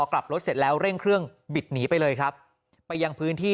กลับรถเสร็จแล้วเร่งเครื่องบิดหนีไปเลยครับไปยังพื้นที่